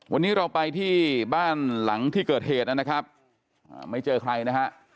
วันนี้เราไปที่บ้านหลังที่เกิดเหตุนะครับไม่เจอใครนะฮะ